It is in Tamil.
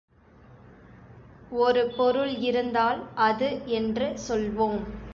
ஒரு பொருள் இருந்தால் அது என்று சொல்வோம்.